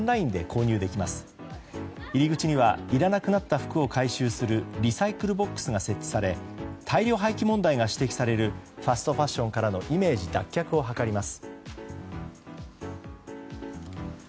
入り口にはいらなくなった服を回収するリサイクルボックスが設置され大量廃棄問題が指摘されるファストファッションからのイメージ脱却を図ります。